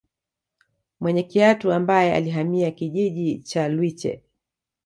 Mwene Kiatu ambaye alihamia kijiji cha Lwiche